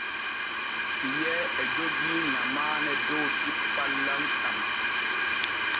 Piyee e jogii nyamaane dow cippal lamɗam.